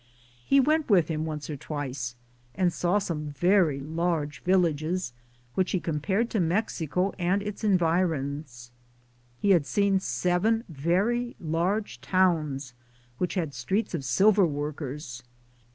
He went with him once or twice, and saw some very large villages, which he com pared to Mexico and its environs. He had Been seven very large towns which had streets of silver workers.